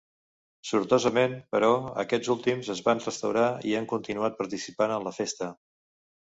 Sortosament, però, aquests últims es van restaurar i han continuat participant en la festa.